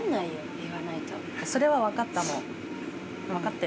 それは分かった、